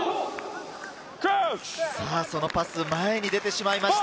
そのパス、前に出てしまいました。